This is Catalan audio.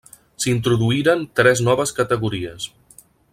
S'introduïren tres noves categories: